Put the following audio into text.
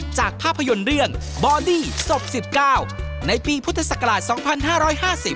จบ๑๙ในปีพุทธศักราช๒๕๕๐